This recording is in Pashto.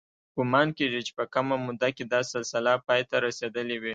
ګومان کېږي چې په کمه موده کې دا سلسله پای ته رسېدلې وي.